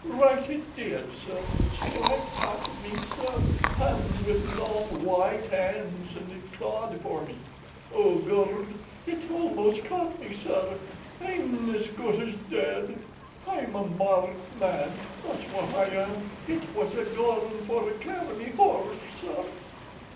Right hit did, sir; strite hat me, sir; hand with long w'ite 'ands it clawed for me. Oh, Gord! Hit almost caught me, sir. Hi'm has good as dead; Hi'm a marked man; that's wot Hi ham. Hit was a goin' for to carry me horf, sir."